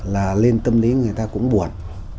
là lên tâm lý người ta cũng buồn